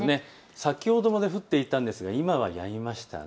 先ほどまで降っていたんですが今はやみました。